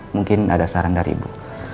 mungkin ada saran dari ibu